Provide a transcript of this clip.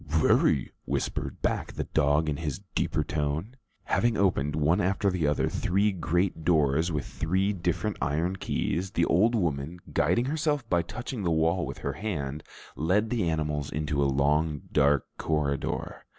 "Very," whispered back the dog in his deeper tone. Having opened, one after the other, three great doors with three different iron keys, the old woman, guiding herself by touching the wall with her hand, led the animals into a long dark corridor.